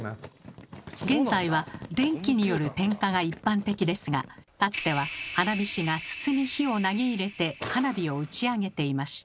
現在は電気による点火が一般的ですがかつては花火師が筒に火を投げ入れて花火を打ち上げていました。